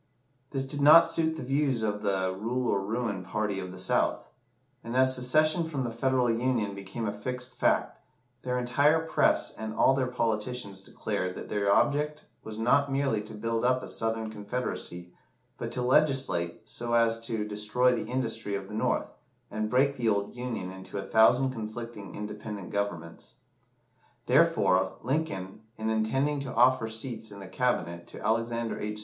This did not suit the views of the "rule or ruin" party of the South; and as secession from the Federal Union became a fixed fact, their entire press and all their politicians declared that their object was not merely to build up a Southern Confederacy, but to legislate so as to destroy the industry of the North, and break the old Union into a thousand conflicting independent governments. Therefore, Lincoln, in intending to offer seats in the Cabinet to Alexander H.